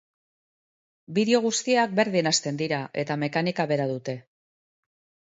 Bideo guztiak berdin hasten dira, eta mekanika bera dute.